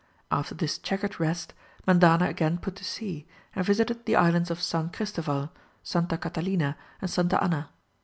After this checkered rest, Mendana again put to sea, and visited the islands of San Christoval, Santa Catalina, and Santa Anna.